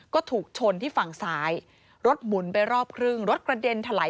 ก็ถูกชนที่ฝั่งซ้ายรถหมุนไปรอบครึ่งรถกระเด็นถลาย